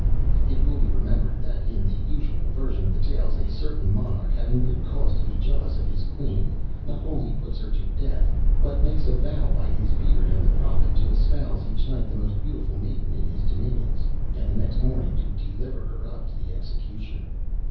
It will be remembered, that, in the usual version of the tales, a certain monarch having good cause to be jealous of his queen, not only puts her to death, but makes a vow, by his beard and the prophet, to espouse each night the most beautiful maiden in his dominions, and the next morning to deliver her up to the executioner.